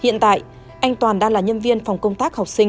hiện tại anh toàn đang là nhân viên phòng công tác học sinh